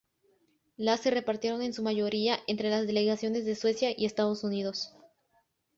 Las se repartieron en su mayoría entre las delegaciones de Suecia y Estados Unidos.